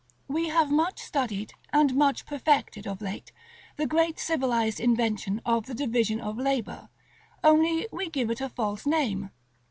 § XVI. We have much studied and much perfected, of late, the great civilized invention of the division of labor; only we give it a false name.